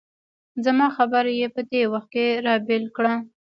زما خبره یې په دې وخت کې را بېل کړه.